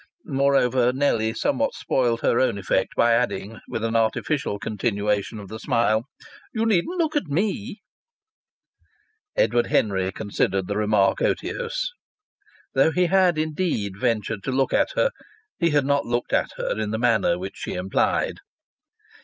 Moreover, Nellie somewhat spoiled her own effect by adding, with an artificial continuation of the smile, "You needn't look at me!" Edward Henry considered the remark otiose. Though he had indeed ventured to look at her, he had not looked at her in the manner which she implied.